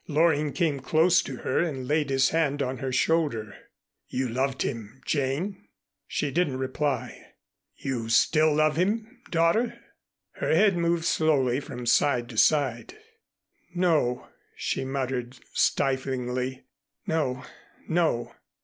Loring came close to her and laid his hand on her shoulder. "You loved him, Jane?" She didn't reply. "You still love him, daughter?" Her head moved slowly from side to side. "No," she muttered, stiflingly, "no, no."